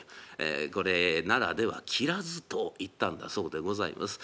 ええこれ奈良では「きらず」といったんだそうでございます。